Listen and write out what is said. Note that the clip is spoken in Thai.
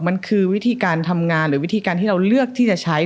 มันคือวิธีการทำงานหรือวิธีการที่เราเลือกที่จะใช้